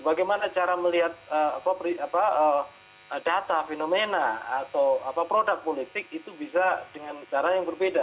bagaimana cara melihat data fenomena atau produk politik itu bisa dengan cara yang berbeda